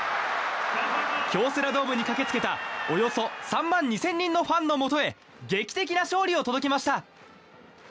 京セラドームに駆け付けたおよそ３万２０００人のファンのもとへ劇的な勝利を届けました。